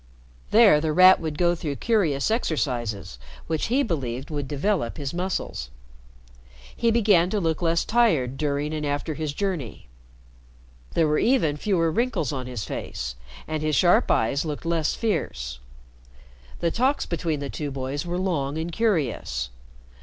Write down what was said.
There The Rat would go through curious exercises which he believed would develop his muscles. He began to look less tired during and after his journey. There were even fewer wrinkles on his face, and his sharp eyes looked less fierce. The talks between the two boys were long and curious.